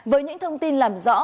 với những thông tin làm rõ